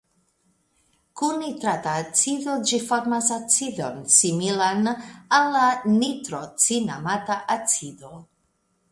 Kun nitrata acido ĝi formas acidon similan al la nitrocinamata acido.